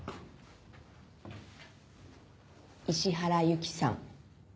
石原由貴さん。